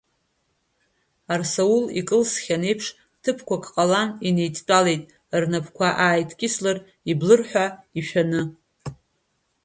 Арсаул икылсхьан еиԥш, ҭыԥқәак ҟалан, инеидтәалеит, рнапқәа ааидкьыслар, иблыр ҳәа ишәаны.